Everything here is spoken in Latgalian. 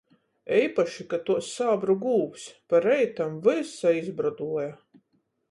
Eipaši, ka tuos sābru gūvs – pa reitam vysa izbroduoja!